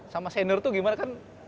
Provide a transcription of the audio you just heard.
sama senior tuh gimana kan